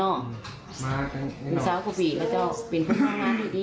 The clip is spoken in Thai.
เป็นสาวกว่าปีแล้วเป็นคนงานดี